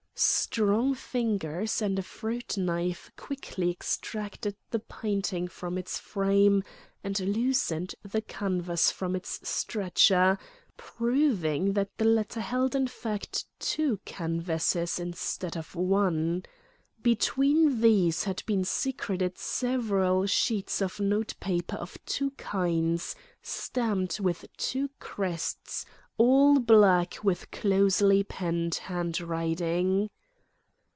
Strong fingers and a fruit knife quickly extracted the painting from its frame and loosened the canvas from its stretcher, proving that the latter held in fact two canvases instead of one. Between these had been secreted several sheets of notepaper of two kinds, stamped with two crests, all black with closely penned handwriting.